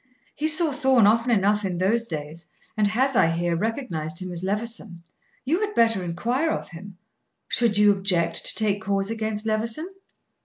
"He saw Thorn often enough in those days, and has, I hear, recognized him as Levison. You had better inquire of him. Should you object to take cause against Levison?"